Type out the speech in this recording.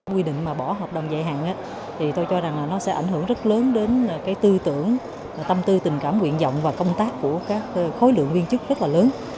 quy định mà bỏ hợp đồng dài hạn thì tôi cho rằng là nó sẽ ảnh hưởng rất lớn đến cái tư tưởng tâm tư tình cảm nguyện dọng và công tác của các khối lượng viên chức rất là lớn